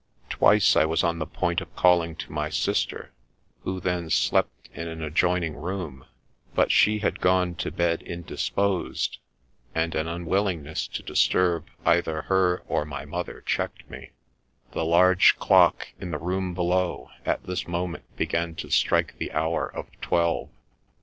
Twice I was on the point of calling to my sister, who then slept in an adjoining room, but she had gone to bed indisposed, and an unwillingness to disturb either her or my mother checked me ; the large clock in the room below at this moment began to strike the hour of twelve.